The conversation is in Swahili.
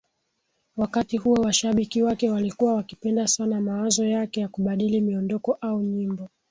wakati huo Washabiki wake walikuwa wakipenda sana mawazo yake ya kubadili miondoko au nyimbo